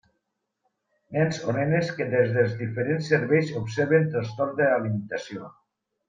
Nens o nenes que des dels diferents serveis observen trastorns de l'alimentació.